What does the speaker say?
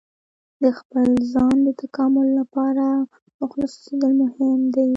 د خپل ځان د تکامل لپاره مخلص اوسیدل مهم دي.